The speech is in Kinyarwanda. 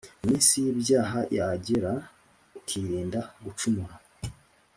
iminsi y’ibyaha yagera, ukirinda gucumura.